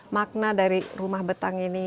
makna dari rumah betang ini